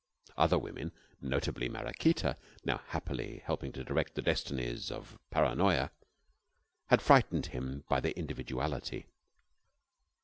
Other women notably Maraquita, now happily helping to direct the destinies of Paranoya had frightened him by their individuality.